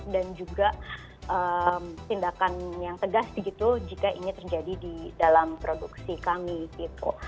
dan juga tindakan yang tegas begitu jika ini terjadi di dalam produksi kami gitu